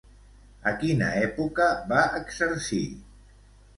A quina època va exercir?